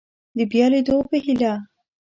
د بیا لیدو په هیله